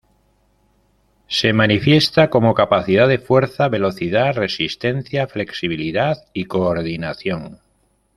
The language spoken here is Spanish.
Se manifiesta como capacidad de fuerza, velocidad, resistencia, flexibilidad y coordinación.